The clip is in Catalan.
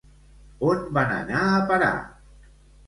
On van anar a parar?